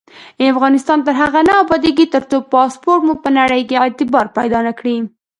افغانستان تر هغو نه ابادیږي، ترڅو پاسپورت مو په نړۍ کې اعتبار پیدا نکړي.